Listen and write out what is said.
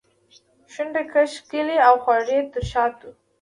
شونډو کې ښکلي او خواږه تر شاتو